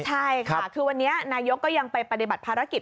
ใช่ค่ะคือวันนี้นายกก็ยังไปปฏิบัติภารกิจ